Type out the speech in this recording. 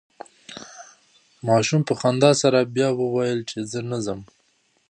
ماشوم په خندا سره بیا وویل چې زه نه ځم.